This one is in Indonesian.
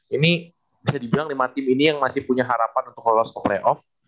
ini bisa dibilang lima tim ini yang masih punya harapan untuk lolos ke playoff